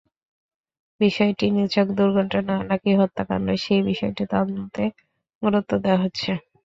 বিষয়টি নিছক দুর্ঘটনা নাকি হত্যাকাণ্ড, সেই বিষয়টি তদন্তে গুরুত্ব দেওয়া হচ্ছে।